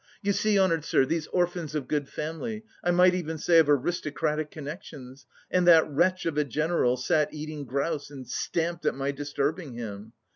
You see, honoured sir, these orphans of good family I might even say of aristocratic connections and that wretch of a general sat eating grouse... and stamped at my disturbing him.